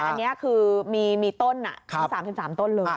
แต่อันเนี้ยคือมีมีต้นอ่ะครับสามสิบสามต้นเลยอ่ะ